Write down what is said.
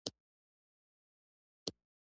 وزې له خپلو سره نه بیلېږي